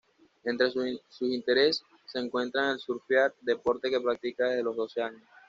Entre sus intereses se encuentran el surfear, deporte que practica desde los doce años.